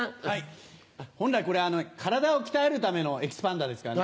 本来これ体を鍛えるためのエキスパンダーですからね。